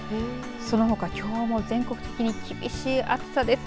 そのほか、きょうも全国的に厳しい暑さです。